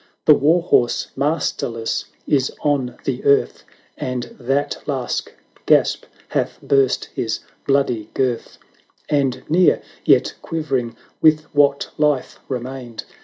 The war horse masterless is on the earth, And that last gasp hath burst his bloody girth; And near, yet quivering with what Hfe remained.